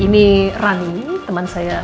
ini ranie teman saya